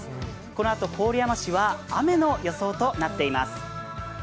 このあと、郡山市は雨の予想となっています。